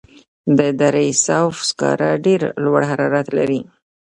د دره صوف سکاره ډیر لوړ حرارت لري.